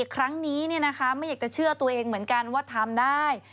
ครั้งนี้เนี่ยนะคะไม่อยากเชื่อตัวเองเหมือนกันว่าทำได้